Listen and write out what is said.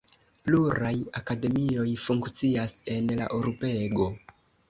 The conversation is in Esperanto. Pluraj akademioj funkcias en la urbego.